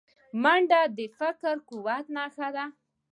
منډه د فکري قوت نښه ده